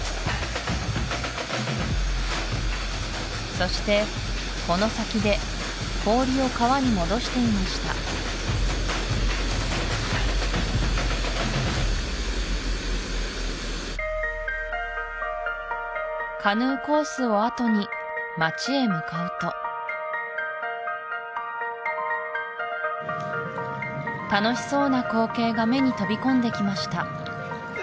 そしてこの先で氷を川に戻していましたカヌーコースをあとに街へ向かうと楽しそうな光景が目に飛び込んできました